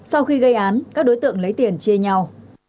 sau khi gây án các đối tượng lấy tiền chia nhau